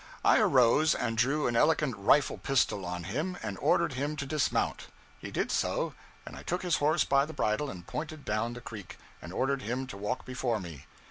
I arose and drew an elegant rifle pistol on him and ordered him to dismount. He did so, and I took his horse by the bridle and pointed down the creek, and ordered him to walk before me.